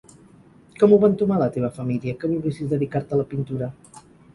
Com ho va entomar la teva família, que volguessis dedicar-te a la pintura?